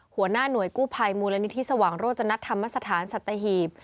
หัวหน้าหน่วยกู้ภัยมูลนิธิสว่างโรจนัตธรรมสถานสัตหีบ